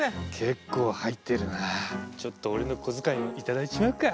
結構入ってるなちょっと俺の小遣いも頂いちまうか。